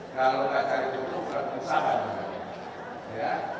kalau gak jadi utuh berarti usaha juga